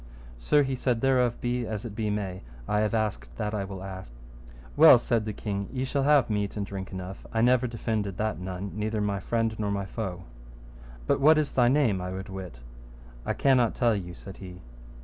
Sir, he said, thereof be as it be may, I have asked that I will ask. Well, said the king, ye shall have meat and drink enough; I never defended that none, neither my friend nor my foe. But what is thy name I would wit? I cannot tell you, said he.